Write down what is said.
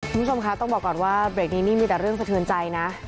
คุณผู้ชมคะต้องบอกก่อนว่าเบรกนี้นี่มีแต่เรื่องสะเทือนใจนะ